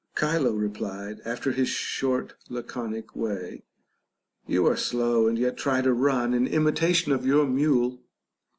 Chilo replied, after his short laconic way, You are slow an 1 yet try to run, in imitation of your mule.